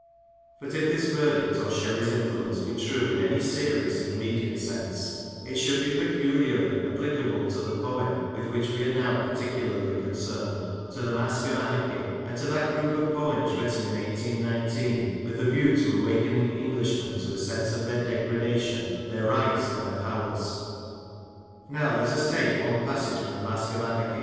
But if this verdict on Shelley's influence be true in any serious and immediate sense, it should be peculiarly ap plicable to the poem with which we are now particularly concerned — to The Mask of Anarchy — and to that group of poems written in 18 19, with the view to awakening Englishmen to a sense of their degradation, their rights, and their powers. Now let us take one passage from The Mask of Anarchy.